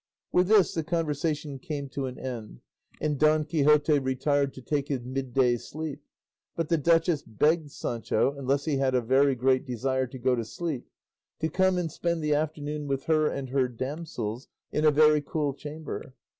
With this, the conversation came to an end, and Don Quixote retired to take his midday sleep; but the duchess begged Sancho, unless he had a very great desire to go to sleep, to come and spend the afternoon with her and her damsels in a very cool chamber.